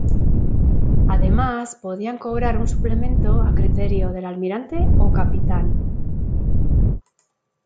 Además podían cobrar un suplemento a criterio del almirante o capitán.